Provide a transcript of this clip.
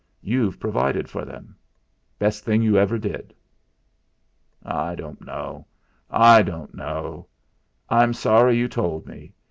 You've provided for them. Best thing you ever did." "I don't know I don't know. I'm sorry you told me.